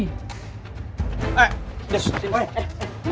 eh ya sus